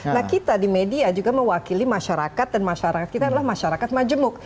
nah kita di media juga mewakili masyarakat dan masyarakat kita adalah masyarakat majemuk